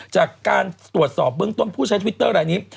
จากการตรวจสอบเบื้องต้นผู้ใช้ทวิตเตอร์รายนี้